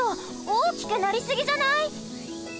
おおきくなりすぎじゃない？